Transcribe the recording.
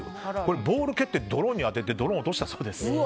ボールを蹴ってドローンに当たってドローンを落としたそうです。